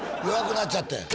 弱くなっちゃった